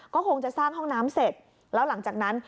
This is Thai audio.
ก็คงจะสร้างห้องน้ำเสร็จแล้วหลังจากนั้น